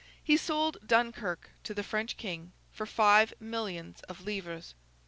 He sold Dunkirk to the French King for five millions of livres.